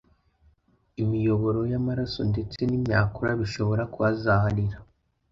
imiyoboro y’amaraso ndetse n’imyakura bishobora kuhazaharira